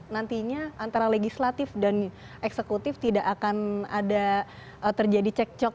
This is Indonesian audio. nantinya antara legislatif dan eksekutif tidak akan ada terjadi cekcok